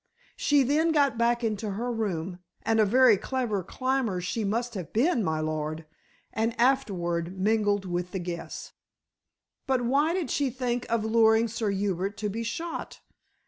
She then got back into her room and a very clever climber she must have been, my lord and afterward mingled with the guests." "But why did she think of luring Sir Hubert to be shot?"